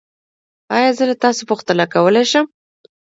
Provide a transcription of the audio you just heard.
ایا زه له تاسو پوښتنه کولی شم؟